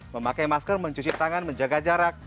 memakai masker mencuci tangan menjaga jarak